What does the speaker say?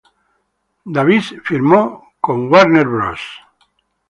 Davis firmó con Warner Bros.